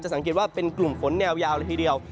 สังเกตว่าเป็นกลุ่มฝนแนวยาวเลยทีเดียว